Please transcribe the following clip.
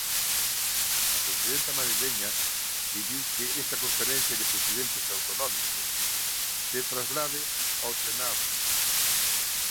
A presidenta madrileña pediu que esta conferencia de presidentes autonómicos se traslade ao Senado.